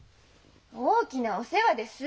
大きなお世話です！